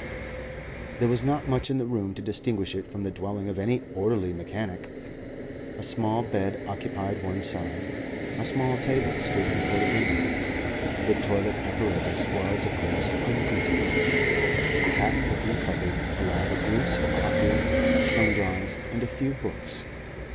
There was not much in the room to distinguish it from the dwelling of any orderly mechanic. A small bed occupied one side; a small table stood before the window; the toilet apparatus was, of course, unconcealed; a half open cupboard allowed a glimpse of crockery, sundries, and a few books.